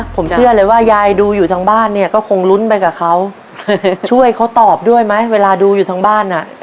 ผมเชื่อเลยว่ายายดูอยู่ทางบ้านเนี่ยก็คงลุ้นไปกับเขาช่วยเขาตอบด้วยไหมเวลาดูอยู่ทางบ้านอ่ะ